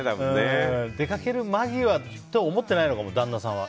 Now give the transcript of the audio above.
出かける間際とは思ってないのかも、旦那さんは。